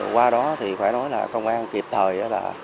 qua đó thì phải nói là công an kịp thời